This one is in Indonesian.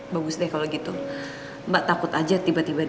ya udah kalau gitu aku masuk dulu ya mbak